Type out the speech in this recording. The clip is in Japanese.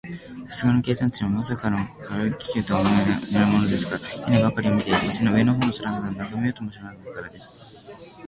さすがの警官たちも、まさか、軽気球とは思いもよらぬものですから、屋根ばかりを見ていて、その上のほうの空などは、ながめようともしなかったからです。